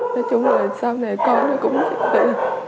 nói chung là sau này con nó cũng sẽ về